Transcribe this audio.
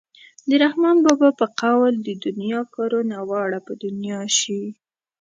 د رحمان بابا په قول د دنیا کارونه واړه په دنیا شي.